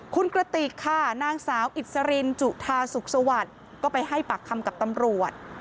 คุณกระติกค่ะนางสาวอิสรินจุธาสุขสวัสดิ์ก็ไปให้ปากคำกับตำรวจ